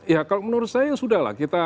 ya kalau menurut saya sudah lah